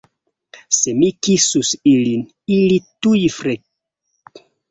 Se mi kisus ilin, ili tuj kreviĝus kaj sorĉa nektaro fluus el ili.